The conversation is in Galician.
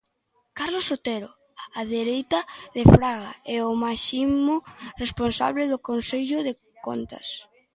Carlos Otero _á dereita de Fraga_ é o máximo responsable do Consello de Contas.